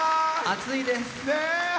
暑いです。